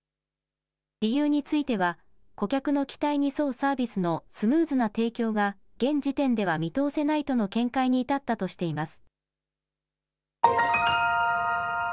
理由については顧客の期待に沿うサービスのスムーズな提供が現時点では見通せないとの見解に至ったとしています。